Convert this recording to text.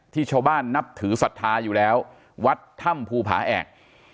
ชาวบ้านนับถือศรัทธาอยู่แล้ววัดถ้ำภูผาแอก